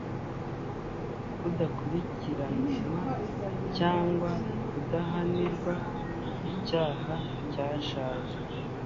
kudakurikiranwa cyangwa kudahanirwa icyaha cyashaje